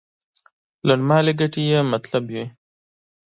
لنډمهالې ګټې یې مطلب وي.